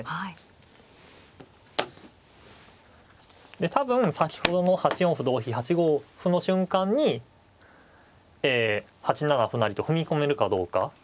で多分先ほどの８四歩同飛８五歩の瞬間に８七歩成と踏み込めるかどうか。